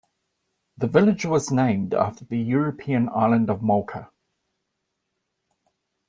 The village was named after the European island of Malta.